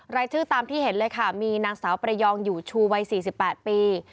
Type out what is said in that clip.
รายชื่อตามที่เห็นเลยค่ะมีนางสาวประยองอยู่ชูวัย๔๘ปี